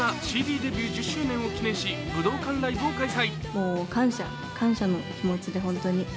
デビュー１０周年を記念し、武道館ライブを開催。